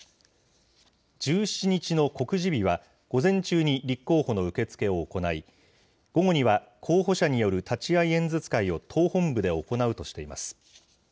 １７日の告示日は午前中に立候補の受け付けを行い、午後には候補者による立会演説会を党本部で行うとしています。